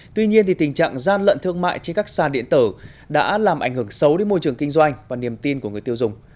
tuy nhiên tình trạng gian lận thương mại trên các sàn điện tử đã làm ảnh hưởng xấu đến môi trường kinh doanh và niềm tin của người tiêu dùng